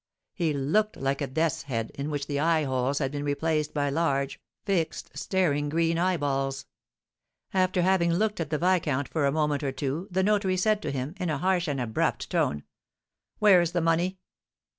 He looked like a death's head in which the eye holes had been replaced by large, fixed, staring green eyeballs. After having looked at the viscount for a moment or two, the notary said to him, in a harsh and abrupt tone: "Where's the money?"